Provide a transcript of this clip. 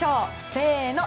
せーの。